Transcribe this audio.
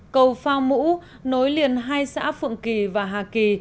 cầu phao mũ nối liền hai xã phượng kỳ và hà kỳ